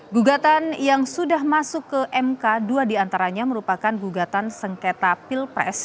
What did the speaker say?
gugatan yang sudah masuk ke mk dua diantaranya merupakan gugatan sengketa pilpres